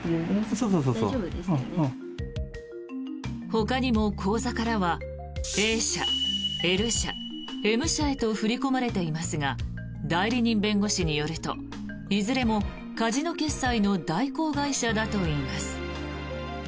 ほかにも口座からはＡ社、Ｌ社、Ｍ社へと振り込まれていますが代理人弁護士によるといずれもカジノ決済の代行会社だといいます。